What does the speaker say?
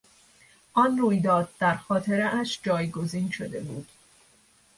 آن رویداد در خاطرهاش جایگزین شده بود.